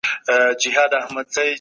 فطري غریزې له پامه مه غورځوئ.